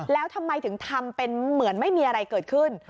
แล้วทำไมถึงทำเป็นเหมือนไม่มีอะไรเกิดขึ้น